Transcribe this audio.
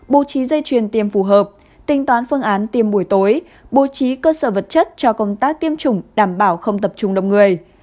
bố trí dây chuyền tiêm phù hợp tính toán phương án tiêm buổi tối bố trí cơ sở vật chất cho công tác tiêm chủng đảm bảo không tập trung đông người